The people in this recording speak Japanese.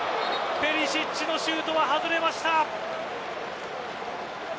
ペリシッチのシュートは外れました。